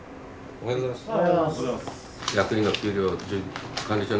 おはようございます。